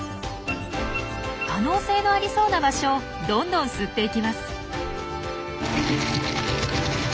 可能性のありそうな場所をどんどん吸っていきます。